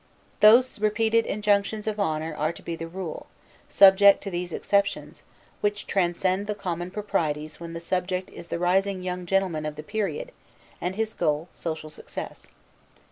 Those repeated injunctions of honor are to be the rule, subject to these exceptions, which transcend the common proprieties when the subject is the rising young gentleman of the period and his goal social success.